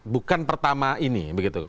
bukan pertama ini begitu